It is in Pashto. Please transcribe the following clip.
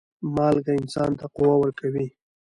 مالګه انسان ته قوه ورکوي.